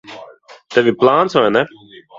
Tev ir plāns, vai ne?